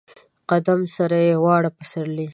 د قدم سره یې واړه پسرلي